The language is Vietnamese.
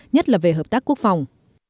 nhất là về hợp tác quốc phòng